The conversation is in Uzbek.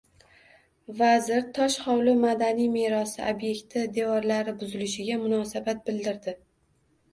Vazir Tosh hovli madaniy merosi ob’ekti devorlari buzilishiga munosabat bildirdi